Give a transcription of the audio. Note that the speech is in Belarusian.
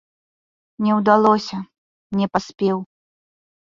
Не ўдалося, не паспеў.